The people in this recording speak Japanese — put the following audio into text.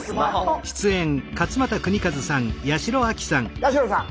八代さん